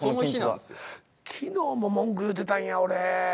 昨日も文句言うてたんや俺。